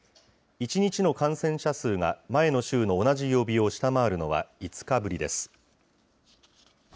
１日の感染者数が前の週の同じ曜日を下回るのは５日ぶりです。